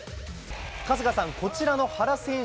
春日さん、こちらの原選手。